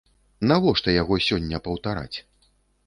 Навошта яго сёння паўтараць?